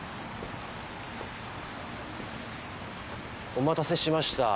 お待たせしました。